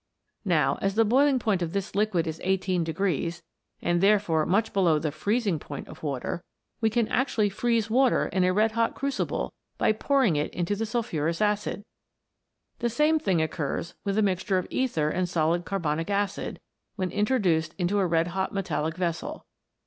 Now, as the boiling point of this liquid is 18, and therefore much below the freezing point of water, we can actually freeze water in a red hot crucible by pouring it into the sulphurous acid ! The same thing occurs with a mixture of ether and solid carbonic acid when introduced into a red hot metallic vessel.